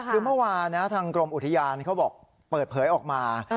คือเมื่อวานทางกรมอุทยานเขาบอกเปิดเผยออกมา